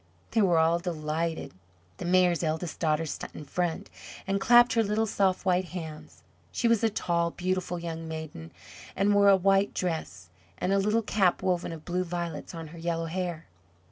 They were all delighted. The Mayor's eldest daughter sat in front and clapped her little soft white hands. She was a tall, beautiful young maiden, and wore a white dress, and a little cap woven of blue violets on her yellow hair.